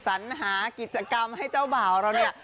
สัญหากิจกรรมให้เจ้าบ่าวเราเนี่ย